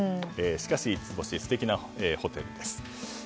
しかし五つ星素敵なホテルです。